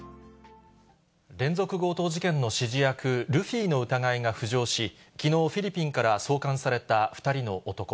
連続強盗事件の指示役、ルフィの疑いが浮上し、きのう、フィリピンから送還された２人の男。